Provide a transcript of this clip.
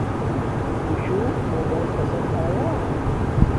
توشو موباݵل پسند آیا